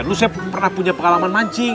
dulu saya pernah punya pengalaman mancing